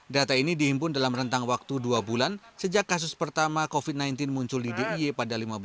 data ini dihimpun dalam rentang waktu dua bulan sejak kasus pertama covid sembilan belas muncul di d i i pada lima belas maret hingga lima belas mei dua ribu dua puluh